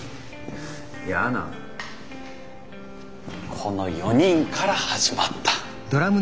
この４人から始まった。